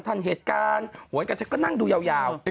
ท่านผู้ชมท่องคำเข้าใจ